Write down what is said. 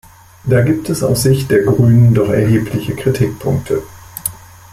Da gibt es aus Sicht der Grünen doch erhebliche Kritikpunkte.